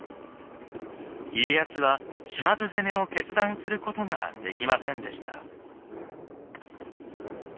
家康は島津攻めを決断することができませんでした。